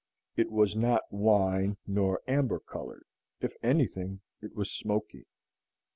It was not wine nor amber colored; if anything, it was smoky.